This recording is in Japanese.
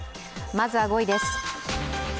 まずは５位です。